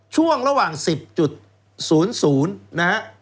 ช่วงระหว่าง๑๐นะฮะ